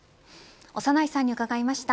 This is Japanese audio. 長内さんに伺いました。